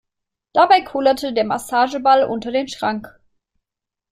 Dabei kullerte der Massageball unter den Schrank.